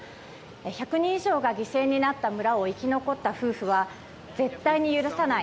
１００人以上が犠牲になった村を生き残った夫婦は絶対に許さない。